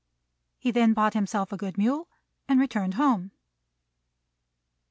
He then bought himself a good mule, and returned home.